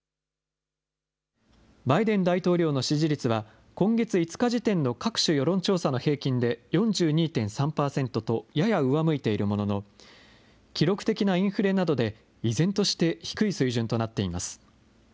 バイデン大統領の支持率は、今月５日時点の各種世論調査の平均で４２．３％とやや上向いているものの、記録的なインフレなどで、依然として低い水準となっています。